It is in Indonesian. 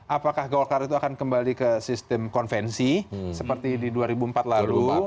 apakah golkar itu akan kembali ke sistem konvensi seperti di dua ribu empat lalu